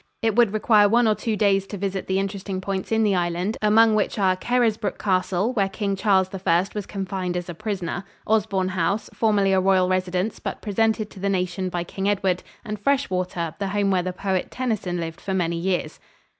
It would require one or two days to visit the interesting points in the island, among which are Carisbrooke Castle, where King Charles I was confined as a prisoner; Osborne House, formerly a royal residence but presented to the nation by King Edward; and Freshwater, the home where the poet Tennyson lived for many years.